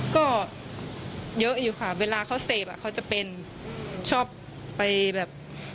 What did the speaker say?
ก็เยอะอยู่ค่ะเวลาเขาเสพอ่ะเขาจะเป็นชอบไปแบบ